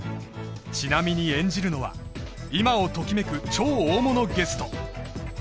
ちなみに演じるのは今をときめく超大物ゲスト